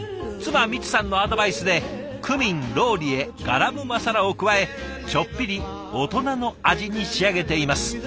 妻美津さんのアドバイスでクミンローリエガラムマサラを加えちょっぴり大人の味に仕上げています。